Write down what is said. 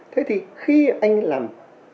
thế thì khi anh làm